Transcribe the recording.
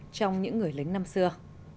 trong những người lính năm xưa